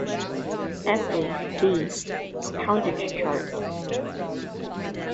Epley, B. Poundage chart.